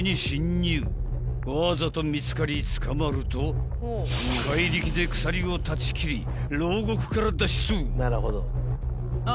［わざと見つかり捕まると怪力で鎖を断ち切り牢獄から脱出］